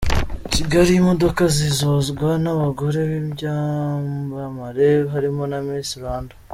Kigali imodoka zizozwa n’abagore b’ibyamamare harimo na Misi Rwanda